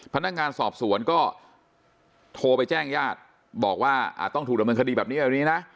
พนักงานสอบสวนก็โทรไปแจ้งญาติบอกว่าต้องถูกดำเนินคดีแบบนี้แบบนี้นะ